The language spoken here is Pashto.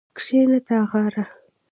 کښېنه تاغاره